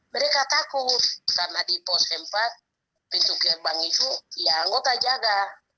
mereka takut karena di pos keempat pintu gerbang itu ya anggota jaga